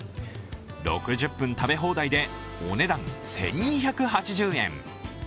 ６０分食べ放題でお値段１２８０円。